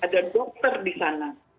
ada dokter di sana